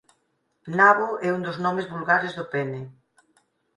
Nabo é un dos nomes vulgares do pene.